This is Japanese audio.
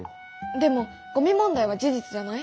でもゴミ問題は事実じゃない？